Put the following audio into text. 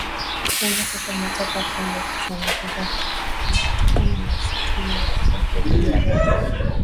Rwanda sasa inataka Kongo kuchunguzwa kutokana na shutuma zake dhidi ya Rwanda